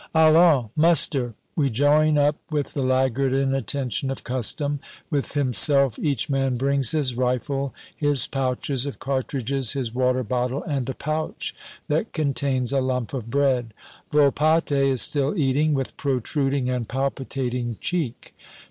"Allons! Muster!" We join up with the laggard inattention of custom. With himself each man brings his rifle, his pouches of cartridges, his water bottle, and a pouch that contains a lump of bread. Volpatte is still eating, with protruding and palpitating cheek.